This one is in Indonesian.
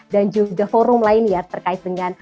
dan juga forum lain ya terkait dengan